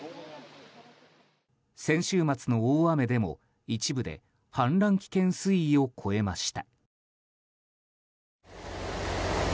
先週末の大雨でも、一部で氾濫危険水位を超えました。